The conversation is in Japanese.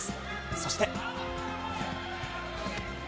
そして。